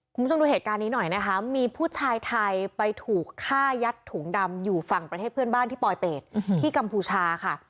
คุณผู้ชมดูเหตุการณ์นี้หน่อยนะคะมีผู้ชายไทยไปถูกฆ่ายัดถุงดำอยู่ฝั่งประเทศเพื่อนบ้านที่ปลอยเป็ดที่กัมพูชาค่ะ